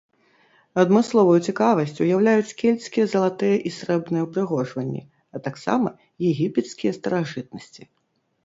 Адмысловую цікавасць уяўляюць кельтскія залатыя і срэбныя ўпрыгожванні, а таксама егіпецкія старажытнасці.